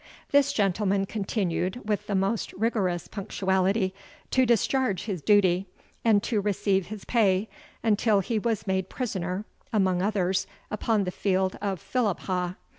This gentleman continued, with the most rigorous punctuality, to discharge his duty, and to receive his pay, until he was made prisoner, among others, upon the field of Philiphaugh.